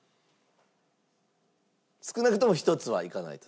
少なくとも１つはいかないと。